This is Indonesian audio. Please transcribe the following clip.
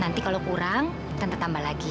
nanti kalau kurang tante tambah lagi ya